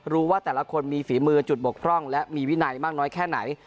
รู้ว่าแต่ละคนมีฝีมือจุดบกพร่องและมีวินัยมากน้อยแค่ไหน